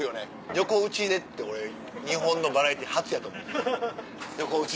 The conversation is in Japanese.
横打ちでって日本のバラエティー初やと思う横打ち。